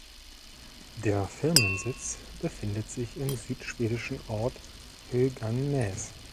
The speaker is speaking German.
Der Firmensitz befindet sich im südschwedischen Ort Höganäs.